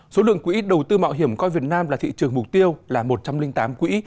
số lượng quỹ đầu tư mạo hiểm coi việt nam là thị trường mục tiêu là một trăm linh tám quỹ